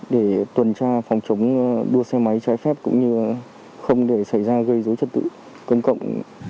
để tuần tra phòng chống đua xe máy trái phép cũng như không để xảy ra gây dối trật tự công cộng